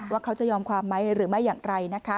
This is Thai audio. ว่าเขาจะยอมความไหมหรือไม่อย่างไรนะคะ